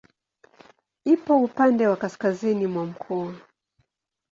Ipo upande wa kaskazini mwa mkoa.